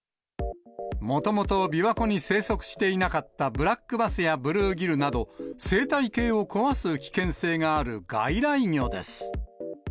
もともと琵琶湖に生息していなかったブラックバスやブルーギルなど、生態系を壊す危険性がある外来魚です。